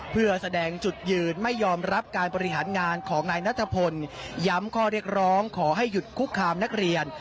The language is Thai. เพื่อแสดงจุดยืนไม่ยอมรับการบริหารงานของนายนัทพลย้ำข้อเรียกร้องขอให้หยุดคุกคามนักเรียน